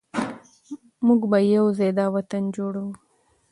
موږ به یو ځای دا وطن جوړوو.